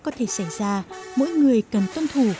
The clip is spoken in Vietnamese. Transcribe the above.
có thể xảy ra mỗi người cần tân thủ